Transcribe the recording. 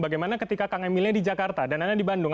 bagaimana ketika kang emilnya di jakarta dan anda di bandung